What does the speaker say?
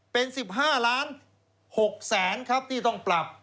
เป็น๑๕๖๐๐๐๐๐ครับที่ต้องปรับ